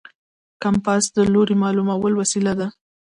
کمپاس د لوري معلومولو وسیله ده.